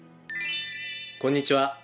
こんにちは。